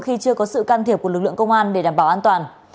khi chưa có sự can thiệp của lực lượng công an để đảm bảo an toàn